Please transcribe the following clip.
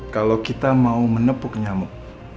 kalau kita mau menepuk nyamuk